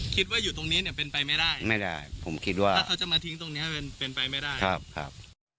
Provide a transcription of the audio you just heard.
คิดว่าอยู่ตรงนี้เนี่ยเป็นไปไม่ได้ไม่ได้ผมคิดว่าถ้าเขาจะมาทิ้งตรงเนี้ยเป็นเป็นไปไม่ได้ครับ